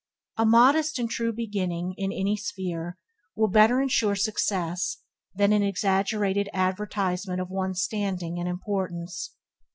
A modest and true beginning, in any sphere, will better ensure success than an exaggerated advertisement of one's standing and importance.